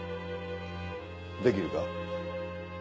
できるか？